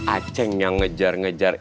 aceng yang ngejar ngejar